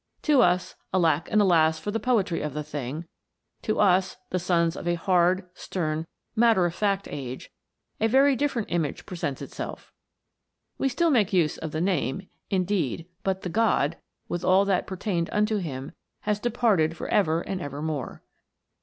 To us, alack and alas for the poetry of the thing to us, the sons of a hard, stern, matter of fact age, a very different image presents itself. We still make use of the name, indeed, but the god, with all that pertained unto him, has departed for ever and ever more.